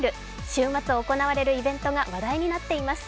週末行われるイベントが話題になっています。